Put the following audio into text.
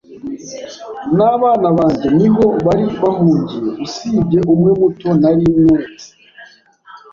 n’abana banjye niho bari bahungiye usibye umwe muto nari mpetse.